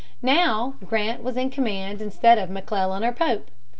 Now, Grant was in command instead of McClellan or Pope.